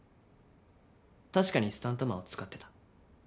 確かにスタントマンは使ってた。